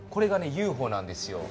ＵＦＯなんですよ。